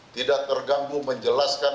tidak terganggu menjelaskan